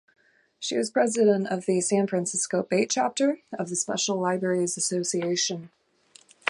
She was president of the San Francisco Bay chapter of the Special Libraries Association.